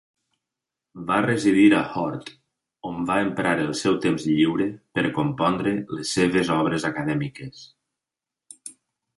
Va residir a Holt, on va emprar el seu temps lliure per compondre les seves obres acadèmiques.